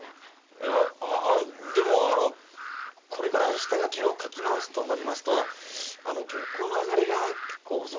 いやあのでもあのこれから下書きを描き直すとなりますとあの原稿の上がりが結構遅くなっちゃいますけれども。